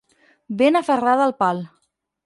Ben aferrada al pal.